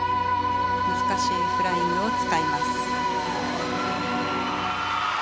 難しいフライングを使います。